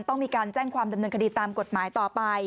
ต้องมีการแจ้งความดำเนินคดีตามกฎหมายต่อไป